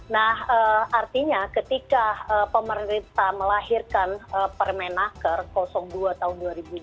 nah artinya ketika pemerintah melahirkan permenaker dua tahun dua ribu dua puluh